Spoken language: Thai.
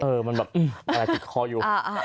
เออมันแบบอื้อแอบติดคออยู่